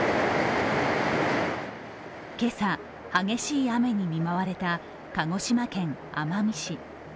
今朝、激しい雨に見舞われた鹿児島県奄美市。